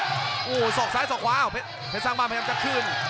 โอ้โหสอกซ้ายสอกขวาเพชรสร้างบ้านพยายามจะคืน